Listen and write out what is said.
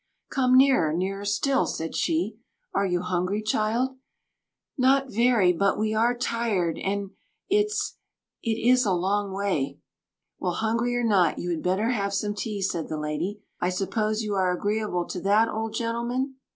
"Come nearer, nearer still," said she. "Are you hungry, child?" "Not very; but we are tired, and it's—it is a long way—" "Well, hungry or not, you had better have some tea," said the lady.—"I suppose you are agreeable to that, old gentleman?"